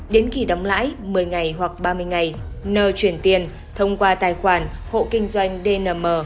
đến khi đóng lãi một mươi ngày hoặc ba mươi ngày n chuyển tiền thông qua tài khoản hộ kinh doanh dnm